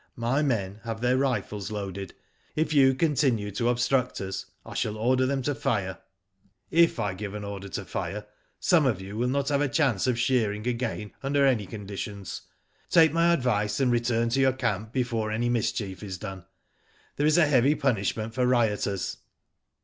" My men have their rifles loaded. If you continue to obstruct us, I shall order them to fire. If I give an order to fire, some of you wili Digitized byGoogk TROUBLE BREWING. 119 not have a chance of shearing again under any conditions. Take my advice and return to your camp before any mischief is done. There is a heavy punishment for rioters."